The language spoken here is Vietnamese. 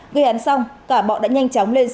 khi ăn xong cả bọn đã nhanh chóng lên xe